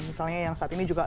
misalnya yang saat ini juga